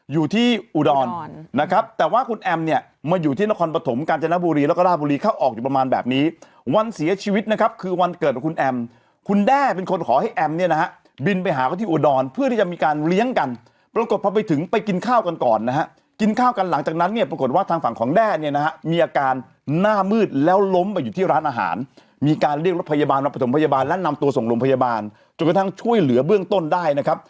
อยู่ที่อุดอนนะครับแต่ว่าคุณแอมเนี่ยมาอยู่ที่นครปฐมกาญจนบุรีแล้วก็ราบบุรีเข้าออกอยู่ประมาณแบบนี้วันเสียชีวิตนะครับคือวันเกิดของคุณแอมคุณแด้เป็นคนขอให้แอมเนี่ยนะฮะบินไปหาเขาที่อุดอนเพื่อที่จะมีการเลี้ยงกันปรากฏพอไปถึงไปกินข้าวกันก่อนนะฮะกินข้าวกันหลังจากนั้นเนี่ยปรากฏว่า